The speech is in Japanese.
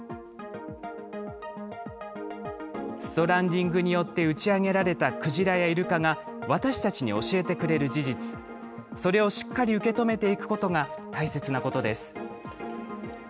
ストランディングによって打ち上げられたクジラやイルカが、私たちに教えてくれる事実、それをしっかり受け止めていくことが大切なことです。